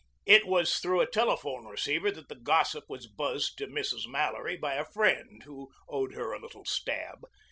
It was through a telephone receiver that the gossip was buzzed to Mrs. Mallory by a friend who owed her a little stab.